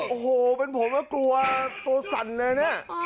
โอ้โหเป็นผมก็กลัวตัวสันเลย